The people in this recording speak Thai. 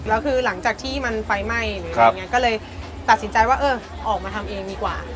แล้วคือหลังจากที่มันไฟไหม้หรืออะไรอย่างนี้ก็เลยตัดสินใจว่าเออออกมาทำเองดีกว่า